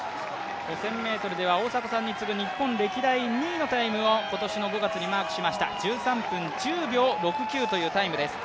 ５０００ｍでは大迫さんに次ぐ歴代２位の記録、今年の５月にマークしまして、１３分１０秒６９というタイムです。